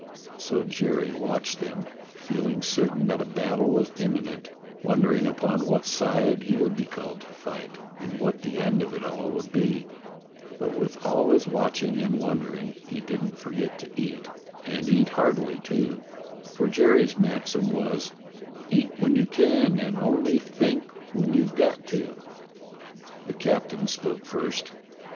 So Jerry watched them, feeling certain that a battle was imminent, won dering upon what side he would be called to fight, and what the end of it all would be; but with all his watching and wondering he didn't forget to eat, and eat heartily, too, for Jerry's maxim was, "Eat when you can, and only think when you've got to." The captain spoke first.